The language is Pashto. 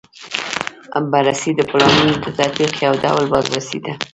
بررسي د پلانونو د تطبیق یو ډول بازرسي ده.